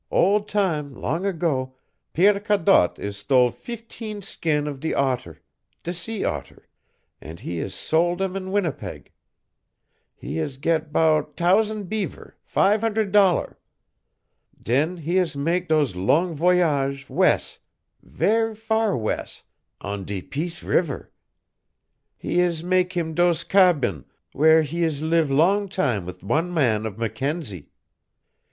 Ole tam long ago, Pierre Cadotte is stole feefteen skin of de otter de sea otter and he is sol' dem on Winnipeg. He is get 'bout t'ousand beaver five hunder' dollar. Den he is mak' dose longue voyage wes' ver' far wes' on dit Peace Reever. He is mak' heem dose cabane, w'ere he is leev long tam wid wan man of Mackenzie.